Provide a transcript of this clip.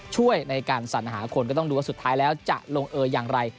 ช่วยในการสัญหาคนก็ต้องดูว่าสุดท้ายแล้วจะลงเอออย่างไร